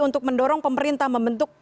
untuk mendorong pemerintah membentuk